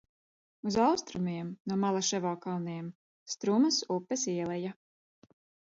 Uz austrumiem no Malaševo kalniem – Strumas upes ieleja.